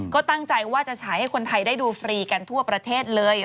ก็ตั้งใจว่าจะฉายให้คนไทยได้ดูฟรีกันทั่วประเทศเลย